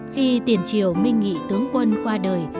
khi tiền triều minh nghị tướng quân qua đời